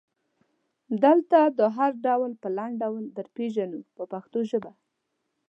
دلته دا هر ډول په لنډ ډول درپېژنو په پښتو ژبه.